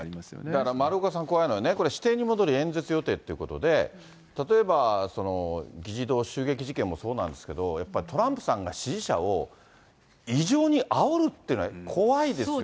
だから丸岡さん、こういうのね、これ、私邸に戻り演説予定ってことで、例えば議事堂襲撃事件もそうなんですけど、やっぱりトランプさんが支持者を異常にあおるって、怖いですよね。